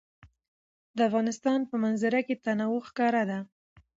د افغانستان په منظره کې تنوع ښکاره ده.